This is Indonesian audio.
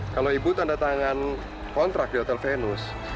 kalau ibu tanda tangan kontrak di hotel venus